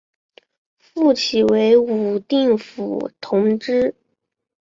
复起为武定府同知。